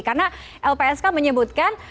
karena lpsk menyebutkan